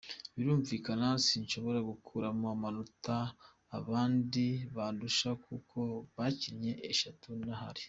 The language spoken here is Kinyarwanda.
Birumvikana sinshobora gukuramo amanota abandi bandusha kuko bakinnye eshatu ndahari.